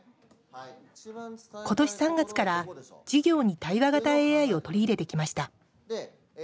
今年３月から、授業に対話型ＡＩを取り入れてきました